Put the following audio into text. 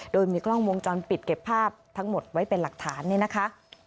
โดยมีกล้องวงจรปิดเก็บภาพทั้งหมดไว้เป็นหลักฐานเนี่ยนะคะ